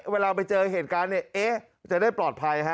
เวลาไปเจอเหตุการณ์จะได้ปลอดภัย